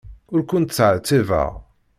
Ur kent-ttɛettibeɣ.